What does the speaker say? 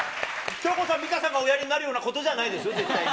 恭子さん、美香さんがおやりになるようなことじゃないですよ、絶対に。